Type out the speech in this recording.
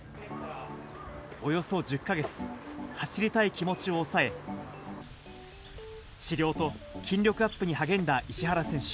およそ１０か月、走りたい気持ちを抑え、治療と筋力アップに励んだ石原選手。